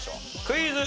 クイズ。